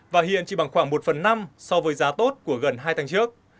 và hiện chỉ bằng khoảng một phần năm so với giá tốt của gần hai tháng trước